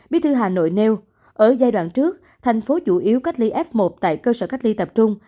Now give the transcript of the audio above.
bí thư hà nội nêu ở giai đoạn trước thành phố chủ yếu cách ly f một tại cơ sở cách ly tập trung